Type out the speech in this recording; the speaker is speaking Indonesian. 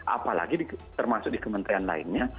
apalagi termasuk di kementerian lainnya